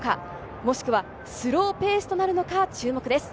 もしくはスローペースとなるのか注目です。